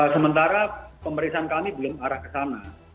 sementara pemeriksaan kami belum arah ke sana